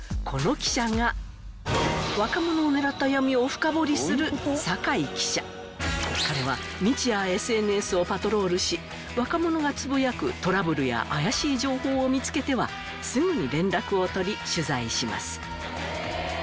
この記者が若者を狙った闇をフカボリする彼は日夜ＳＮＳをパトロールし若者がつぶやくトラブルや怪しい情報を見つけてはすぐに連絡を取り取材します